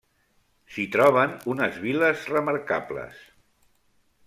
S'hi troben unes vil·les remarcables.